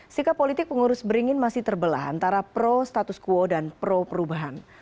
sikap politik pengurus beringin masih terbelah antara pro status quo dan pro perubahan